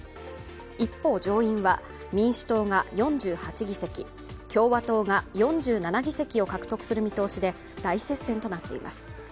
一方、上院は民主党が４８議席、共和党が４７議席を獲得する見通しで大接戦となっています。